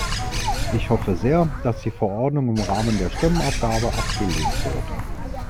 Ich hoffe sehr, dass die Verordnung im Rahmen der Stimmabgabe abgelehnt wird.